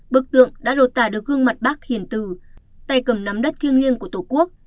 bức tượng đã đột tả được gương mặt bác hiền tử tay cầm nắm đất thiêng liêng của tổ quốc